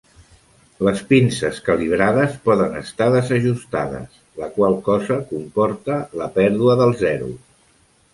Les pinces calibrades poden estar desajustades, la qual cosa comporta la pèrdua del zero.